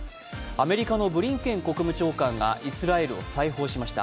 アメリカのブリンケン国務長官がイスラエルを再訪しました。